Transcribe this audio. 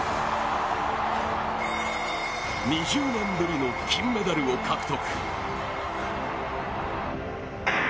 ２０年ぶりの金メダルを獲得。